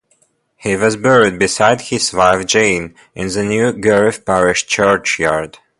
He was buried beside his wife, Jane, in the new Girthon parish churchyard.